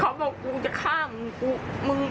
เขาบอกว่ากูจะฆ่ามึง